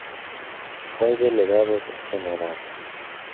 Fue delegado del Gral.